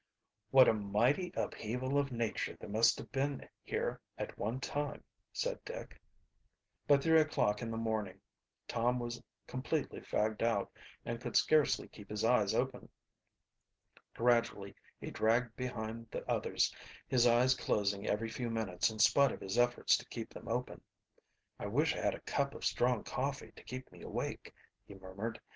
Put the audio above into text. "What a mighty upheaval of nature there must have been here at one time," said Dick. By three o'clock in the morning Tom was completely fagged out and could scarcely keep his eyes open. Gradually he dragged behind the others, his eyes closing every few minutes in spite of his efforts to keep them open. "I wish I had a cup of strong coffee to keep me awake," he murmured.